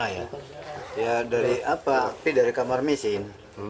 ya dari apa api dari kamar mesin